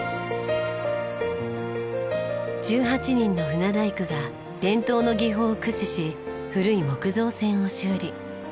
１８人の船大工が伝統の技法を駆使し古い木造船を修理。